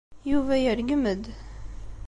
Yuba yergem-d.